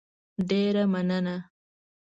ډېره مننه